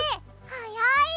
はやい！